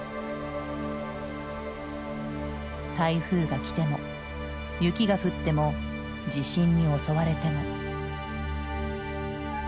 台風がきても雪が降っても地震に襲われても。